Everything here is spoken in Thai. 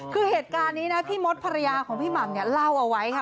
คือเหตุการณ์นี้นะพี่มดภรรยาของพี่หม่ำเนี่ยเล่าเอาไว้ค่ะ